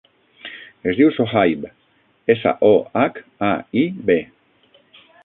Es diu Sohaib: essa, o, hac, a, i, be.